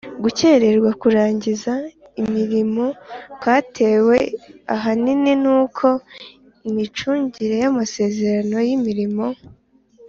Gukererwa kurangiza imirimo kwatewe ahanini n uko imicungire y amasezerano y imirimo